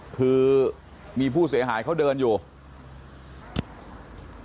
คือมีผู้เสียหายเขาเดินอยู่